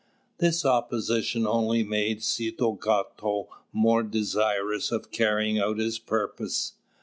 This opposition only made Set cāto more desirous of carrying out his purpose.